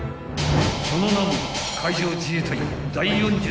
［その名も］